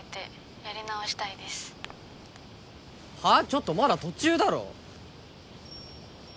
ちょっとまだ途中だろ。